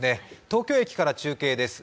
東京駅から中継です。